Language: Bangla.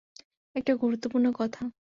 একটা গুরুত্বপূর্ণ কথা।